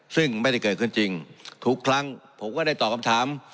ซึ่งไม่ได้เกิดขึ้นจริงทุกครั้งผมก็ได้ตอบคำถาม